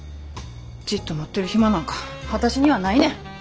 じっと待ってる暇なんか私にはないねん！